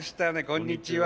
こんにちは。